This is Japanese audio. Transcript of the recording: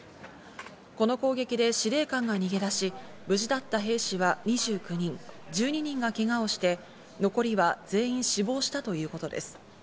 この攻撃で司令官が逃げ出し、無事だった兵士は２９人、１２人がけがをして、残りは全員死亡したということです。